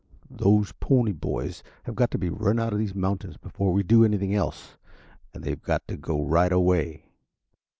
Those Pony Boys have got to be run out of these mountains before we do anything else, and they've got to go right away."